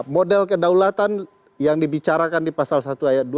model kedaulatan yang dibicarakan di pasal satu ayat dua